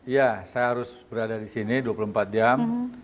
ya saya harus berada di sini dua puluh empat jam